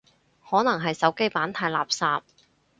可能係手機版太垃圾